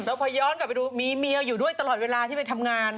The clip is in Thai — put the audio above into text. แล้วพอย้อนกลับไปดูมีเมียอยู่ด้วยตลอดเวลาที่ไปทำงาน